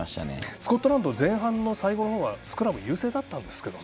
スコットランド前半の最後の方はスクラム優勢だったんですけどね。